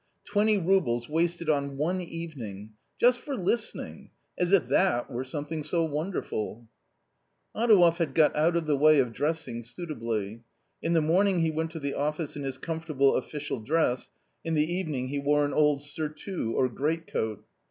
"Twenty roubles wasted on one evening ! Just for listening ; as if that were something so wonderful !" Adouev had got out of the way of dressing suitably. In the morning he went to the office in his comfortable official dress, in the evening he wore an old surtout or greatcoat.